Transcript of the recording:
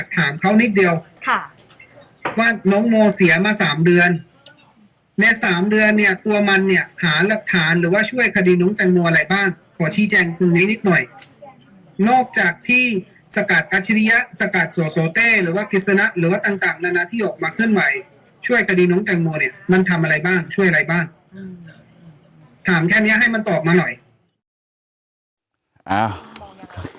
ท่านแก่เนี่ยให้มันตอบมาหน่อย